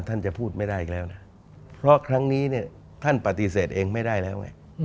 ท่านจะพูดไม่ได้อีกแล้วนะเพราะครั้งนี้เนี่ยท่านปฏิเสธเองไม่ได้แล้วไง